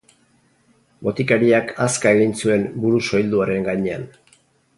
Botikariak hazka egin zuen buru soilduaren gainean.